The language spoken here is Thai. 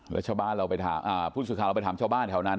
แล้วชาวบ้านเราไปถามผู้สื่อข่าวเราไปถามชาวบ้านแถวนั้น